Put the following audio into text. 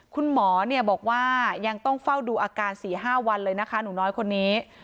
คุณหมอบอกว่ายังต้องเฝ้าดูอาการ๔๕วันเลยนะคะหนูน้อยคนนี้